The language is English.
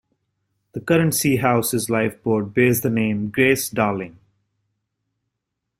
The current Seahouses lifeboat bears the name "Grace Darling".